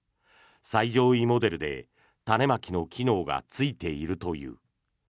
最上位モデルで、種まきの機能がついているという。